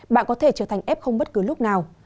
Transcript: bạn có thể trở thành f không bất cứ lúc nào